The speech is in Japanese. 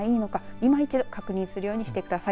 いまいちど確認するようにしてください。